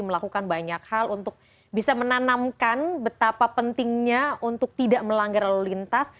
melakukan banyak hal untuk bisa menanamkan betapa pentingnya untuk tidak melanggar lalu lintas